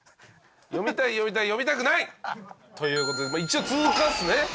読みたい読みたい読みたくない！という事で一応通過ですね。